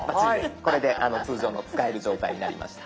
これで通常の使える状態になりました。